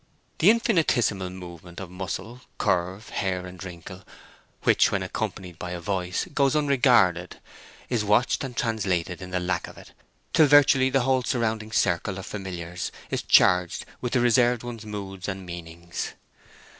The infinitesimal movement of muscle, curve, hair, and wrinkle, which when accompanied by a voice goes unregarded, is watched and translated in the lack of it, till virtually the whole surrounding circle of familiars is charged with the reserved one's moods and meanings.